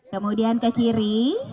kemudian ke kiri